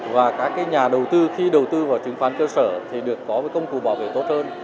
và các nhà đầu tư khi đầu tư vào chứng khoán cơ sở thì được có công cụ bảo vệ tốt hơn